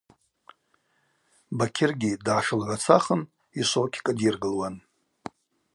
Бакьыргьи дгӏашылгӏвацахын йшвокь кӏыдйыргылуан.